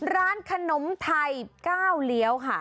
ร้านขนมไทยก้าวเลี้ยวค่ะ